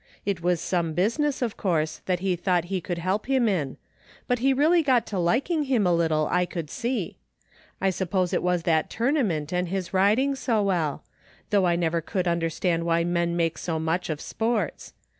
It was some business, of course, that he thought he could help him in; but he really got to liking him a little I could see. I suppose it was that tournament and his riding so well; though I never could understand why men make so much of sports.